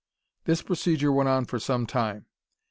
This procedure went on for some time.